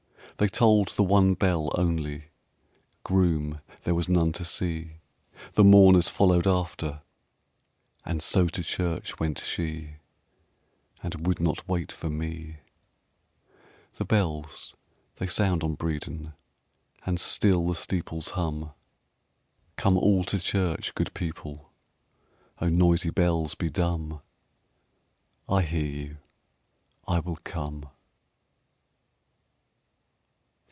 They tolled the one bell only, Groom there was none to see, The mourners followed after, And so to church went she, And would not wait for me. The bells they sound on Bredon, And still the steeples hum. "Come all to church, good people," Oh, noisy bells, be dumb; I hear you, I will come.